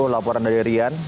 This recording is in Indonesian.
sporan dari rian